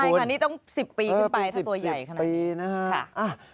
ใช่ค่ะนี่ต้อง๑๐ปีขึ้นไปถ้าตัวใหญ่ขนาดนี้นะคะ